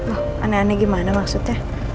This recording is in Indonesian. oh aneh aneh gimana maksudnya